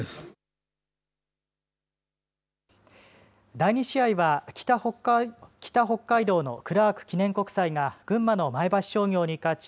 第２試合は北北海道のクラーク記念国際が群馬の前橋商業に勝ち